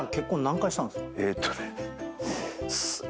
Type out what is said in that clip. えーっとね。